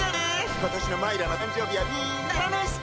今年のまいらの誕生日はみんなで楽しく！